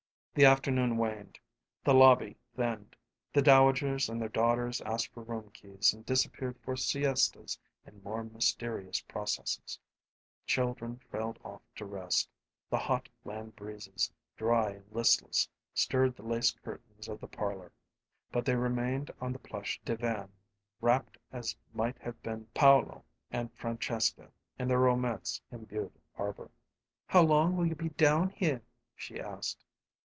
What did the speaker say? The afternoon waned; the lobby thinned; the dowagers and their daughters asked for room keys and disappeared for siestas and more mysterious processes; children trailed off to rest; the hot land breezes, dry and listless, stirred the lace curtains of the parlor but they remained on the plush divan, rapt as might have been Paolo and Francesca in their romance imbued arbor. "How long will you be down here?" she asked.